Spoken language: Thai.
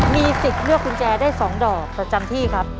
มีสิทธิ์เลือกกุญแจได้๒ดอกประจำที่ครับ